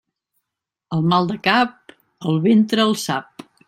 El mal de cap, el ventre el sap.